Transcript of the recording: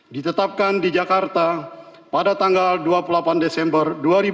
ditetapkan di jakarta pada tanggal dua puluh delapan desember dua ribu dua puluh